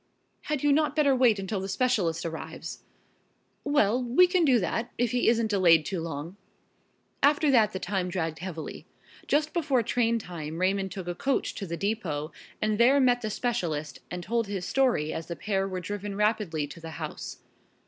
"Had you not better wait until the specialist arrives?" "Well, we can do that if he isn't delayed too long." After that the time dragged heavily. Just before train time Raymond took a coach to the depot and there met the specialist and told his story as the pair were driven rapidly to the house.